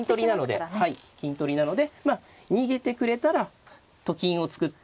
金取りなのでまあ逃げてくれたらと金を作って。